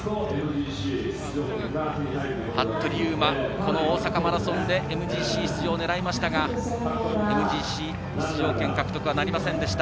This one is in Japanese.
服部勇馬、大阪マラソンでＭＧＣ出場を狙いましたがＭＧＣ出場権獲得はなりませんでした。